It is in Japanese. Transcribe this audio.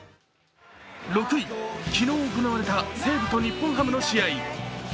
６位、昨日、行われた西武と日本ハムの試合。